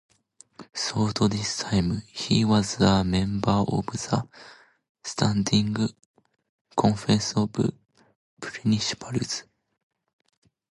Throughout this time, he was a member of the Standing Conference of Principals.